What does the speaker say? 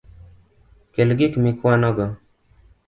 Kel gik mikwanogo